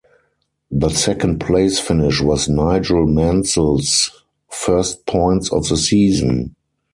The second-place finish was Nigel Mansell's first points of the season.